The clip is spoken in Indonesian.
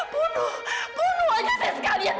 bunuh bunuh ayah saya sekalian